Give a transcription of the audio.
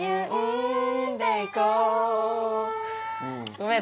ごめん。